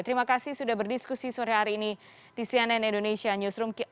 terima kasih sudah berdiskusi sore hari ini di cnn indonesia newsroom